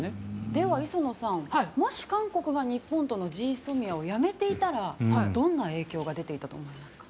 では磯野さん、もし韓国が日本とのＧＳＯＭＩＡをやめていたら、どんな影響が出ていたと思いますか。